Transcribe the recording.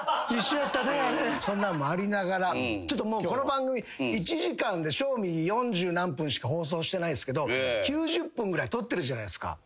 そんなんもありながらこの番組１時間で正味四十何分しか放送してないっすけど９０分ぐらいとってるじゃないですか。